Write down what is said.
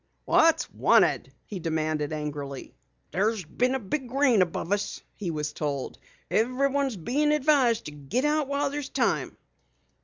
"What's wanted?" he demanded angrily. "There's been a big rain above us," he was told. "Everyone's being advised to get out while there's time."